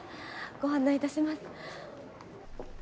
ご案内いたします。